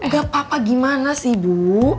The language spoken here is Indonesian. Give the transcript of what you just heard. gak apa apa gimana sih bu